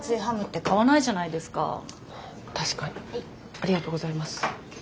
ありがとうございます。